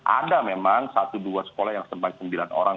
ada memang satu dua sekolah yang sampai sembilan orang